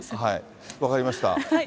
分かりました。